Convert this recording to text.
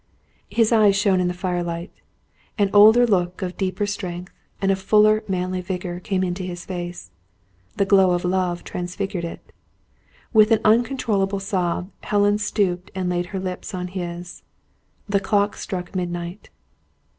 His eyes shone in the firelight. An older look of deeper strength and of fuller manly vigour came into his face. The glow of love transfigured it. With an uncontrollable sob, Helen stooped and laid her lips on his. The clock struck midnight.